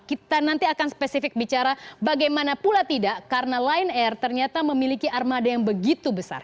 kita nanti akan spesifik bicara bagaimana pula tidak karena lion air ternyata memiliki armada yang begitu besar